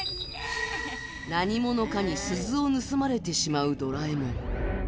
何者かに鈴を盗まれてしまうドラえもん。